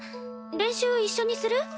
練習一緒にする？